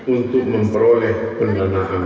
untuk memperoleh pendanaan